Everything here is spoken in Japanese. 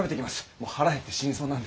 もう腹減って死にそうなんで。